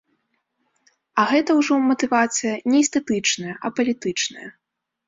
А гэта ўжо матывацыя не эстэтычная, а палітычная.